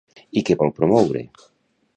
I què vol promoure?